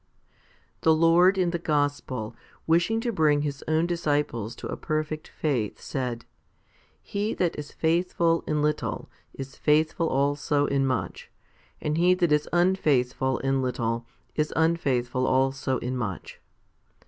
1. THE Lord in the gospel, wishing to bring His own disciples to a perfect faith, said, He that is faithful in little, is faithful also in much ; and he that is unfaithful in little, is unfaithful also in much.